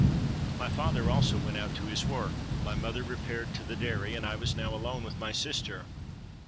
My father also went out to his work; my mother repaired to the dairy; and I was now alone with my sister.